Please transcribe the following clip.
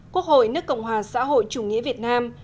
quốc hội nước cộng hòa xã hội chủ nghĩa việt nam